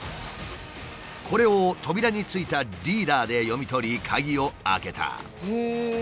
これを扉についたリーダーで読み取り鍵を開けた。